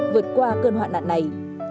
vượt qua cơn hoạn nạn này